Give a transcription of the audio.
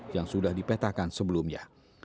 yang sudah dipetakan sebelumnya